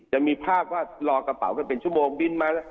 จะมีภาพว่ารอกระเป๋ากันเป็นชั่วโมงบินมา